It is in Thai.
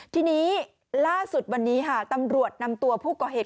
ทีนี้ล่าสุดวันนี้ค่ะตำรวจนำตัวผู้ก่อเหตุ